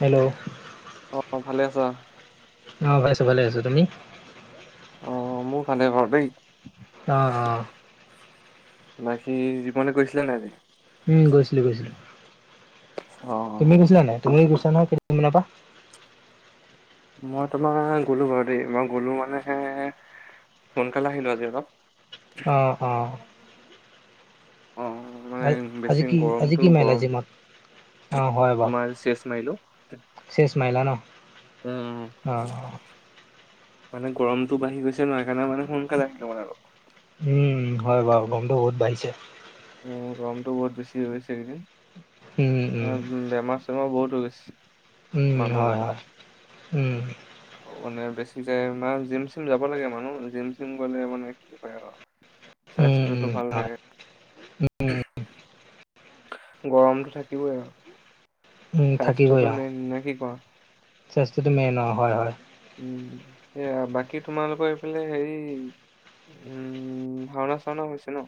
Hello. অ', অ', ভালে আছা? অঁ, ভালে আছোঁ, ভালে আছোঁ। তুমি? অ', মোৰ ভালে বাৰু দেই। অঁ, অঁ। বাকী, জীমলে গৈছিলা নাই আজি? উম, গৈছিলোঁ, গৈছিলোঁ। অ তুমি গৈছিলা নাই? তুমি গৈছা নহয়, কেইদিন মানৰ পৰা। মই তোমাৰ, গ'লো বাৰু দেই। মই গ'লো মানে সোনকালে আহিলোঁ আজি অলপ। অঁ, অঁ। অ মানে আজ, বেছি আজি কি আজি গৰমটো কি মাৰিলা গৰম জিমত? অ', হয় তোমাৰ চেচ মাৰিলো বাৰু। চেঞ্জ মাৰিলা ন? উম অ', অ'। মানে গৰমটো বাঢ়ি গৈছে ন, সেইকাৰণে মানে সোনকালে আহিব লাগে আৰু। উম, উম, হয় বাৰু গৰমটো বহুত বাঢ়িছে। উম, গৰমটো বহুত বেছি হৈছে উম উম এইকেইদিন। বেমাৰ চেমাৰ বহুত হৈ গৈছে। উম, হয়, মানুহবোৰৰ হয়। উম। মানে বেছি যায় আৰু, জিম চিম যাব লাগে মানুহ, জিম চিম গ'লে মানে লাগে আৰু উম স্বাস্থ্যটো উম ভাল হয় থাকে। উম গৰমটো থাকিবই আৰু। উম, স্বাস্থ্যটো থাকিবই আৰু। মেইন নে কি কোৱা? স্বাস্থ্যটো মেইন আৰু হয়, হয়। উম, সেয়া বাকী তোমালোকৰ এইফালে হেৰি উম, ভাওনা-চাওনা হৈছে ন?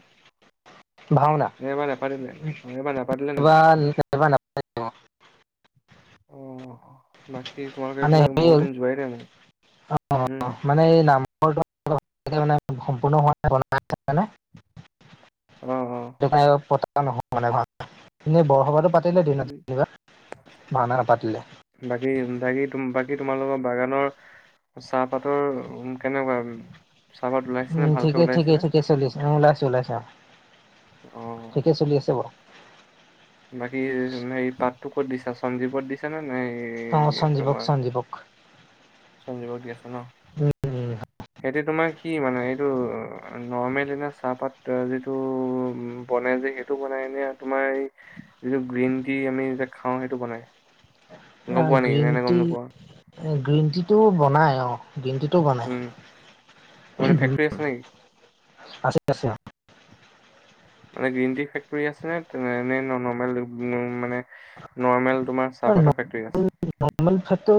ভাওনা এইবাৰ নেপাতিলে অ', এইবাৰ নেপাতিলে নেকি? এইবাৰ এইবাৰ নাপাতিলে অ', অ', বাকী তোমালোকে মানে এইফালে হেৰি বহুত হ'ল দিন যোৱাই নাই মানে। অ উম। মানে এই নামঘৰটো মানে ভালকে সম্পুৰ্ণ হোৱা নাই বনাই আছে মানে। অ', অ'। সেইকাৰণে এইবাৰ পতা নহয় মানে ভাওনা, ইনেই বৰসভাতো পাত পাতিলে উম, দিনত যেনিবা, ভাওনা নাপাতিলে। বাকী, বাকী তোম, বাকী তোমালোকৰ বাগানৰ চাহপাতৰ উ, কেনেকুৱা? চাহপাত ওলাইছে উম। নে ভালকে ঠিকে, ওলাইছে ঠিকে, নে? ঠিকে চলি আছে। অঁ, ওলাইছোঁ ওলাইছে অঁ। ঠিকে অ'। চলি আছে বাৰু। বাকী, উম, হেৰী পাতটো ক'ত দিছা, সঞ্জীৱক দিছা নে, নে হেৰী অঁ, সঞ্জীৱক, সঞ্জীৱক। সঞ্জীৱক দি আছা ন? উম, উম। সেইটো তোমাৰ কি মানে? এইটো নৰ্মেল এনেই চাহপাত এ যিটো বনে যে সেই টো বনাই নে? তোমাৰ হেই যিটো গ্ৰীণ টি, আমি যে খাওঁ সেইটো বনাই? গম আহ, পোৱা নেকি গ্ৰীণ নে নে গম টি নোপোৱা এ, গ্ৰীণ টি টো বনাই অঁ, গ্ৰীণ টি টো বনাই। চেছ নিকি? আছে, আছে অ'। মানে, গ্ৰীণ টি ফেক্টৰী আছে নে নৰ্মেল মানে নৰ্মেল তোমাৰ চাহপাতৰ ফেক্টৰী আছে? ৰ্মটো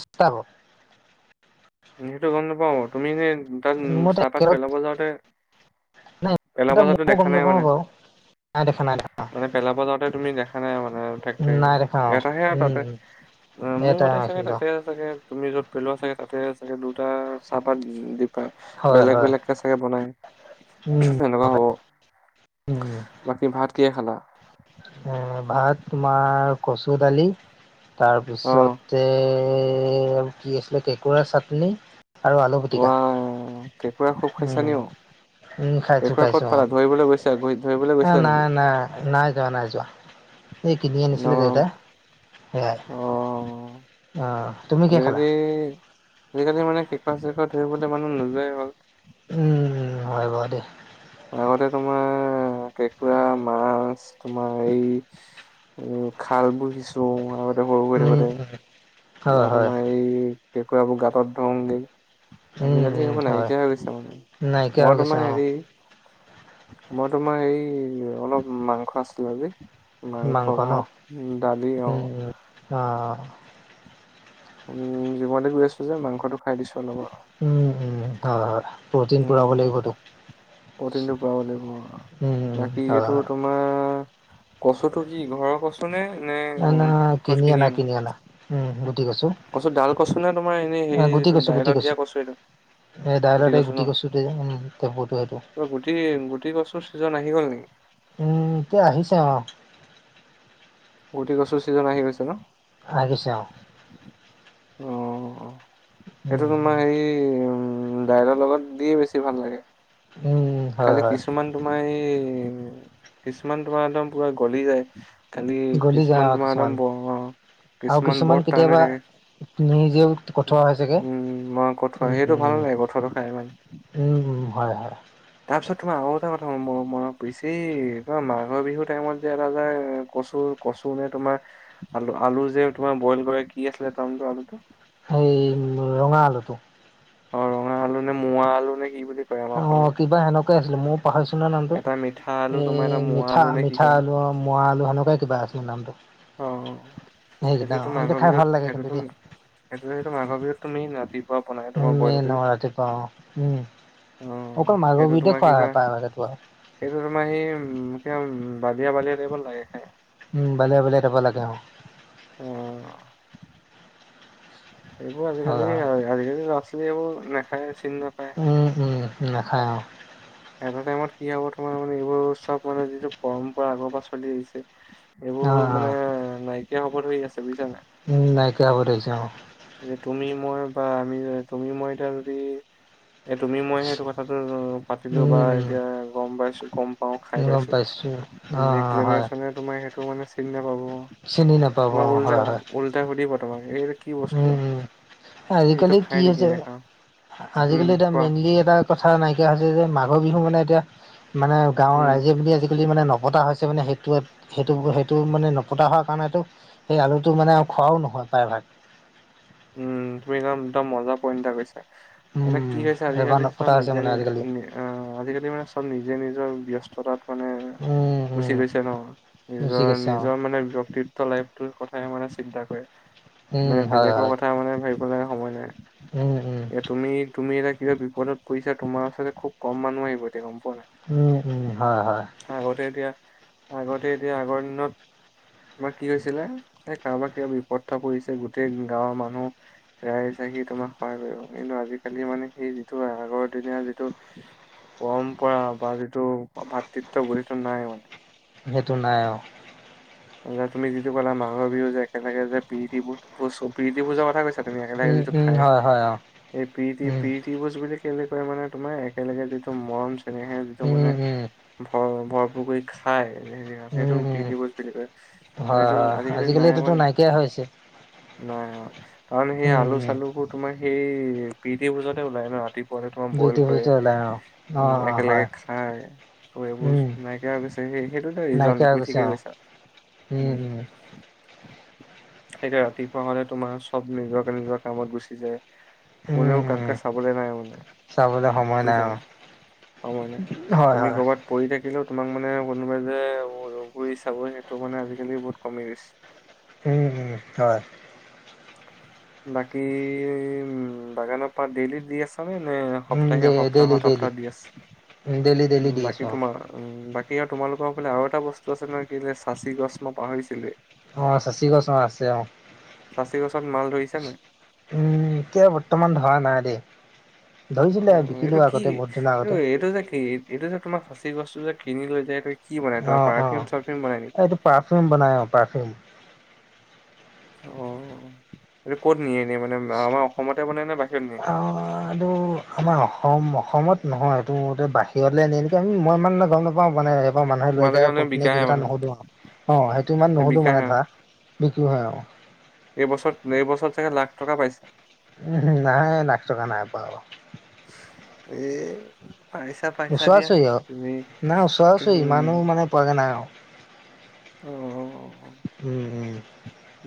[unintelligible] সেইটো গ'ম নাপাওঁ, তুমি এনে তাত মই চাহপাত একেলগ পেলাব যাওঁতে নাই ইমান পেলাব এটা যাওঁতে মও গ'ম দেখা নাই নাপাম মানে বাৰু, নাই দেখা নাই দেখা। মানে পেলাব যাওঁতে তুমি দেখা নাই মানে নাই দেখা [unintelligible] অ এটাহে আৰু উম তাতে। মোৰ এটা মতে চাগে কিন্তু তাতে আছেগে, তুমি য'ত পেলোৱা চাগে তাতে আছেগে। দুটা চাহপাত হয় বেলেগ হয় বেলেগকে চাগে বনাই। উম তেনেকুৱা হ'ব উম বাকী ভাত কিহে খালা? এ ভাত তোমাৰ কচু, দালি, অ', তাৰপিছতে আৰু কি আছিলে, কেঁকোৰা চাটনি। আৰু আলু পিটিকা। অ' কেঁকোৰা খুব খাইছা উম নি অ'? উম খাইছো কেঁকোৰা খাইছো ক'ত অ পালা, ধৰিবলৈ ধৰিবলৈ এ গৈছিলা নাই নেকি? নাই নাই যোৱা নাই যোৱা, এই কিনি আনিছিলে দেউতাই। ন' সেইয়াই! অ'। আহ'। আজিকালি আজিকালি মানে কেঁকোৰা-চেঁকুৰা ধৰিবলৈ মানুহ নোযোৱাই হ'ল। উম, হয় বাৰু দেই। আগতে তোমাৰ কেঁকোৰা, মা মাছ তোমাৰ এই খাল [unintelligible] উম উম। বা হয় হয় তোমাৰ এই কেঁকুৰাবোৰ গাঁতত ধৰুঙগে। উম আজিকালি উম সেইবোৰ হয় নাইকিয়া হৈ গৈছে মানে, নাইকিয়া হৈ মই গৈছে তোমাৰ অ হেৰি মই তোমাৰ এই অলপ মাংস আছিলে যে মাংস, ভাত, দালি অ'। উম উম অ' অ'। উম, জিমলৈ গৈ আছো যে মাংসটো খাই দিছো অলপ আৰু। উম উম হয় হয়। প্ৰ'টিন পূৰাব উম লাগিব তোক, প্ৰটিনটো পাব লাগিব উম উম বাকী হয় এইটো হয়। তোমাৰ কচুটো কি ঘৰৰ কচু নে, নে [unintelligible] কিনি অনা? হুম, গুটি কচু। কচু ডাল কচু নে, তোমাৰ এনেই হে অ গুটি এইটো কচু গুটি দাইলত দিয়া কচু এইটো। এ দাইলতে গুটি কচুটো যে। উম'! টেপুটো এইটো। অ' গুটি-গুটি কচুৰ ছিজন আহি গ'ল নেকি? উম, এতিয়া আহিছে অ'। গুটি কচুৰ ছিজন আহি হৈছে ন'? আহি গৈছে অ'। অ', সেইটো তোমাৰ উম হেৰি, উম দাইলৰ লগত দিয়ে বেছি ভাল লাগে। উমম'। খালি কিছুমান তোমাৰ এই, কিছুমান তোমাৰ একদম পুৰা গলি যায়। খালি গলি যায় কিছুমান অ তোমাৰ একদম আৰু কিছুমান বহুত টান হৈ কেতিয়াবা থাকে। নিজেও কঠোৱা হয় চাগে উম, মই কঠোৱা সেইটো ভাল নালাগে, কঠোৱাটো খাই ইমান। উম উম, হয় হয়। তাৰপিছত তোমাৰ আৰু এটা কথা [unintelligible] মাঘৰ বিহুৰ টাইমত যে এটা যে কচুৰ কচু নে তোমাৰ আলু আলু যে তোমাৰ বইল কৰে কি আছিলে তাৰ নাম আলুটো? সেই ৰঙা আলুটো? অ', ৰঙা আলু নে, মোৱা আলু নে কি বুলি কয়। আমাৰ অসমীয়া অ' কিবা সেনেকুৱাই আছিলে, মই পাহৰিছো নহয় নামটো এটা মিঠা আলু তোমাৰ এটা এই মোৱা মিঠা আলু নে কি মিঠা কয় আলু। মোৱা আলু সেনেকুৱাই কিবা আছিল নামটো, অ'। সেইকেইটা অ' সেইকেইটা খাই ভাল লাগে কিন্তু দেই। এতিয়াটো মাঘৰ বিহুটো মেইন ৰাতি উ, মেন অ', ৰাতিপুৱা অ', উম, অ', অকল মাঘৰ সেইটো বিহুতে তোমাৰ খোৱা কিবা হয় প্ৰায়ভাগ এটো আৰু। সেইটো তোমাৰ সেই উ, বালিয়া বালিয়া টাইপত লাগে খাই। উম, বালিয়া বালিয়া টাইপৰ লাগে অ'। উম। এইবোৰ হয় আজিকালি হয় আজিকালি ল'ৰা-ছোৱালী এইবোৰ নাখায় চিনি নাপায়। উম, উম, নাখায় অ'। এটা টাইমত কি হ'ব তোমাৰ মানে এইবোৰ চব মানে যিটো পৰম্পৰা আগৰ পৰা চলি আহিছে। অ এইবোৰ অ মানে নাইকিয়া হব ধৰি আছে বুজিছা নে নাই? উম, নাইকিয়া হ'ব ধৰিছে অ'। তুমি মই বা আমি তুমি মই এতিয়া যদি এ তুমি মই সেইটো কথাটো পাতিলো বা উম এতিয়া গ'ম পাইছো গ'ম পাও খাই উম গম পাইছো, অ নেক্স অ হয় জেনেৰেচনে তোমাৰ সেইটো মানে চিনি নাপাব। চিনি নাপাব তোমাক অ উল্টাই হয় হয় উল্টাই সুধিব তোমাক এই কি বস্তু উম, উম, এইটো আজিকালি খাই কি নেকি হৈছে নেখাও। উম আজিকালি এটা কোৱা মেইনলি এটা কথা নাইকিয়া হৈছে যে মাঘৰ বিহু মানে এতিয়া মানে গাঁৱৰ উম ৰাইজে বুলি আজিকালি মানে নপতা হৈছে মানে সেই টো সেইটো সেইটো মানে নপতা হোৱা কাৰণেতো সেই আলুটো মানে আৰু খোৱাও নহয় প্ৰায়ভাগ। উম, তুমি একদম মজা পইণ্ট এটা কৈছা। মানে কি উম, হৈছে এবাৰ আজিকালি চব পতা আছে নিজে মানে নিজ আজিকালি আজিকালি মানে চব নিজে নিজৰ ব্যস্ততাত মানে উম। গুচি উম। গৈছে ন' বুজি নিজৰ গৈছে অ, নিজৰ মানে ব্যক্তিত্ব লাইফটোৰ কথাই মানে চিন্তা কৰে। উম, হয়, হয়। লোকৰ কথা মানে ভাবিবলে সময় উম, উম, নাই এ তুমি তুমি এতিয়া কিবা বিপদত পৰিছা তোমাৰ ওচৰত খুব ক'ম মানুহ আহিব এতিয়া গ'ম পোৱা নাই? উম, উম, হয়, হয়। আগতে এতিয়া, আগতে এতিয়া আগৰ দিনত তোমাৰ কি হৈছিলে এই কাৰোবাৰ কিবা বিপদ এটা পৰিছে গোটেই গাঁৱৰ মানুহ ৰাইজ আহি তোমাক সহায় কৰিব, কিন্তু আজিকালি মানে সেই যিটো আগৰ দিনীয়া যিটো পৰম্পৰা বা যিটো ভাতৃত্ববোধ সেইটো নাই মানে। সেইটো নাই অ'। যে তুমি যিটো ক'লা মাঘ বিহুত যে একেলগে যে প্ৰীতি ভোজ প্ৰীতি ভোজৰ কথা কৈছা তুমি একেলগে উম, যিটো, উম, খাই হয়, হয়, অ, এই প্ৰীতি উম, প্ৰীতি ভুজ বুলি কেলে কয় মানে তোমাৰ একেলগে যিটো মৰম চেনেহে যিটো উম, মানে উম, ভৰ ভৰপূৰ কৰি খাই সেইটো উম, উম। প্ৰীতি ভোজ বুলি কয়। হয়, আৰু সেইটো হয়, আজিকালি নাই এইটোতো মানে নাইকিয়া হৈছে। নাই অ', কাৰণ সেই উম, উম। আলু-চালুবোৰ তোমাৰ সেই প্ৰীতি ভোজতে ওলাই ন' ৰাতি পুৱাতে তোমাৰ বইল বিউটি-চিউটি ওলাই অ, অ, কৰে অ, হয়, একেলগে খাই। ত' এইবোৰ উম, নাইকিয়া হৈ গৈছে সেই-সেইটো এটা ৰিজন নাইকিয়া হৈ তুমি গৈছে অ, ঠিকেই কৈছা। উম, হুম। সেইটোয়ে ৰাতিপুৱা হ'লে তোমাৰ চব নিজকে নিজৰ কামত গুচি যায়। কোনেও উম, উম, কাকুকে চাবলৈ নাই মানে চাবলৈ সময় বুজিছা অ, নাই? হয়, তুমি হয়। কৰ'বাত পৰি থাকিলেও তোমাক মানে কোনোবাই যে ঘূৰি চাব সেইটো মানে আজিকালি বহুত কমি গৈছে। উম, হুম, হয়। বাকী উম বাগানৰ পাত ডেইলি দি আছ নে উম, সপ্তাহে ডে ডেইলি, সপ্তাহত ডেইলি, সপ্তাহ দি আছে। ডেইলি, ডেইলি উম দি বাকী আছো অ। তোমাৰ - উম, বাকী আৰু তোমালোকৰ ফালে আৰু এটা বস্তু আছে নহয়, কি বোলে চাঁচি গছ মই পাহৰিছিলোৱেই। অ চাঁচী গছৰ অ আছে অ। চাঁচি গছত মাল ধৰিছে নাই? উম, এতিয়া বৰ্তমান ধৰা নাই দেই। ধৰিছিলে উম, বিকিলো এইটো কি আগতে বহুত দিনৰ এইটো আগতে এইটো যে কি - এইটো যে তোমাৰ চাঁচি গছৰ কিনি লৈ যায় এইটো কি বনাই অ তোমাৰ অ পাৰফিউম চাৰফিউম বনাই নেকি? এইটো পাৰফিউম বনাই অ পাৰফিউম। অ, এইটো ক'ত নিয়ে এনেই মানে আমাৰ অসমতে বনে নে বাহিৰত নিয়ে? অ এইটো আমাৰ অসম অসমত নহয় এইটো মোৰমতে বাহিৰলে নিয়ে নেকি? আমি মই ইমান গম নাপাওঁ মানে - বা মানুহে লৈ তোমালোকে যায় আও মানে ক'ত কোনে কি বিকাহে কথা মানে নুশুধো আও। অ সেইটো ইমান নুশুধো মানে বিকাহে ধৰা - বিক্ৰী হয় আও। এইবছৰত এইবছৰত চাগে লাখ টকা পাইছে? উম হু, নাই লাখ টকা নাই পোৱা অ। এ পাইছা। পাইছা ওচৰা দিয়া ওচৰি আও, তুমি নাই ওচৰা ওচৰি ইমানো উম মানে পোৱাগে নাই আও। অ উম উম।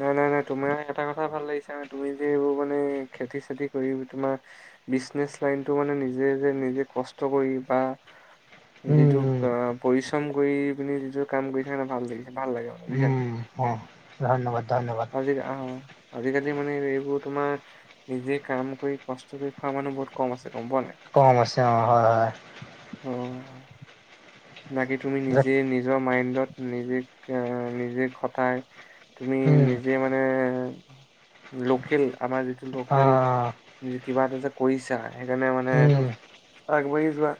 নাই নাই নাই তোমাৰ এটা কথা ভাল লাগিছে মানে তুমি যে এইবোৰ মানে খেতি চেতি কৰি তোমাৰ - বিজনেছ লাইনটো মানে নিজে যে নিজে কষ্ট কৰি বা - উম যিটো উম অ পৰিশ্ৰম কৰি পিনে যিটো কাম কৰিছে সেইকাৰণে ভাল লাগিছে ভাল লাগে আৰু। উম, অ ধন্যবাদ ধন্যবাদ। আজি অ আজিকালি মানে এইবোৰ তোমাৰ - নিজে কাম কৰি কষ্ট কৰি খোৱা মানুহ বহুত কম আছে গম পোৱা নাই। কম আছে, অঁ হয় হয়। অ বাকী তুমি নিজে নিজৰ মাইণ্ডত নিজে এই নিজে খটাই - তুমি উম নিজে মানে লোকেল আমাৰ যিটো অ লোকেল - যে কিবা এটা যে কৰিছা সেইকাৰণে মানে উম এইটো আগবাঢ়ি যোৱা।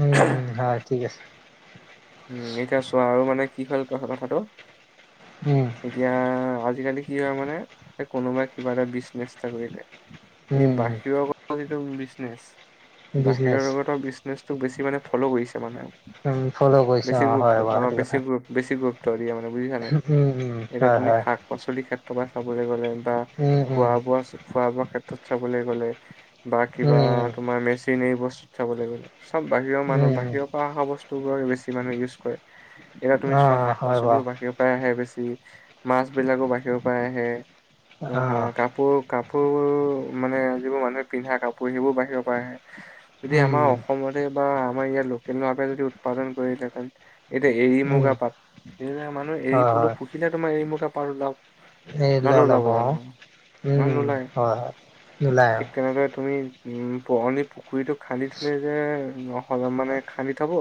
উম উম হয় ঠিক আছে। উম, এতিয়া ছোৱা আৰু মানে কি হ'ল ক কথাটো - উম। এতিয়া আজিকালি কি হয় মানে এই কোনোবাই কিবা এটা বিজনেছ এটা কৰিলে - এই উম বাহিৰৰ লগত যিটো বিজনেছ বাহিৰৰ বিজনেচ লগতটো বিজনেছ - বেছি মানে ফ্লু' কৰিছে মানে, উম ফ'ল' কৰিছে বেছি অ গুৰুত্ব হয় বাৰু অ সেইটো বেছি কথা গু বেছি গুৰুত্ব দিয়ে মানে বুজিছা নাই। উম হুম। এতিয়া তুমি শাক পাচলিৰ ক্ষেত্ৰৰ পৰা চাবলে গলে বা উম খোৱা বোৱা চ খোৱা বোৱা ক্ষেত্ৰত চাবলে গলে বা কিবা উম তোমাৰ মেচিনেৰি বস্তুত চাবলে গলে - চব বাহিৰৰ মানুহ উম উম বাহিৰৰ পৰা অহা বস্তু বোৰৰে বেছি মানুহ ইউজ কৰে। এতিয়া তুমি অ চোৱা শাক হয় বাৰু পাচলিও বাহিৰ - পৰাই আহে বেছি, মাছ বিলাকো বাহিৰৰ পৰা আহে, আ অ হা কাপোৰ - কাপোৰবোৰ মানে যিবোৰ মানুহে পিন্ধা কাপোৰ সেইবোৰ বাহিৰৰ পৰা আহে, যদি উম আমাৰ অ সমতে বা আমাৰ ইয়াত লোকেল ভাৱে যদি উৎপাদন কৰিলেহেঁন। এতিয়া এৰি উম মুগা পাট, এতিয়া মানুহ এৰি হয় পলু হয় পুহিলে হে তোমাৰ এৰি মুগা পাট ওলাব। এই ল নহ'লে ওলাব ল'ব অ জানো? ইমান উম নোলায়, হয় হয় নোলায় ঠিক তেনেদৰে তুমি উম পুৰণি পুখুৰীটো খান্দি থলে যে নহ'লে মানে খান্দি থব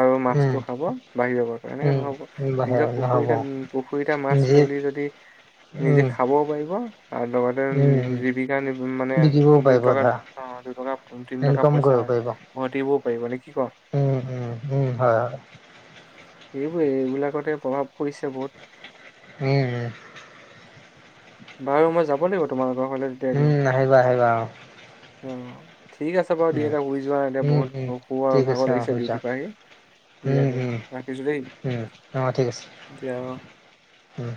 আৰু উম মাছটো খাব [unintelligible] এনেকে নহ'ব উম বাহিৰ নিজৰ নহ'ব পুখুৰীতে পুখুৰীতে মাছ নিজে মেলি যদি নিজে উম খাবও পাৰিবা আৰু লগতে উম উ জীৱিকা নি মানে বিকিবও পাৰিব দুইটকা ধৰা অ দুটকা তিনি টকা ইনকম পইচা কৰিব পাৰিব ঘতিবও পাৰিবা নে কি কোৱা। উম, উম, উম! হয়, হয়। এইবোৰে এইবিলাকতে প্ৰভাৱ পৰিছে বহুত। উম বাৰু মই যাব লাগিব তোমালোকৰ ঘৰলে। উম, আহিবা-আহিবা, অ'। অ ঠিক আছে বাৰু দি উম, এনে শুই যোৱা এনে উম, উম, বহুত শু আৰু ঠিক আছে ভাগৰ অ', লাগিছে হৈ যাওক ডিউটি পৰা আহি। দিয়া উম, দিয়া হুম, ৰাখিছো দেই উম অ' ঠিক আছে। দিয়া অ উম।